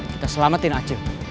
kita selamatin acil